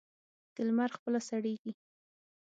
د لمر خپله سړېږي.